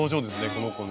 この子ね。